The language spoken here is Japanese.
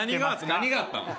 何があったん？